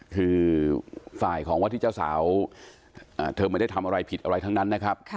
คือฝ่ายของวัดที่เจ้าสาวเธอไม่ได้ทำอะไรผิดอะไรทั้งนั้นนะครับ